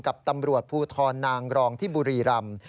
กับตำรวจภูทรนางรองที่บุรีรำ